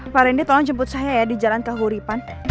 pak rendy tolong jemput saya ya di jalan kahuripan